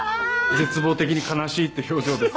絶望的に悲しいって表情です。